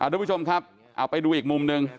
ทุกผู้ชมครับเอาไปดูอีกมุมหนึ่ง